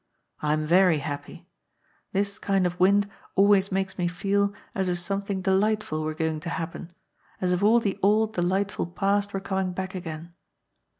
"I am very happy. This kind of wind always makes me feel as if some thing delightful were going to happen, as if all the old de lightful past were coming back again.